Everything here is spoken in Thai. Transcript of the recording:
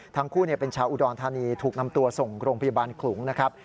ทั้งคู่เป็นชาวอุดรธานีถูกนำตัวส่งโรงพยาบาลขลุงนะครับ